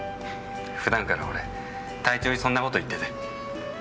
普段から俺隊長にそんなこと言ってて。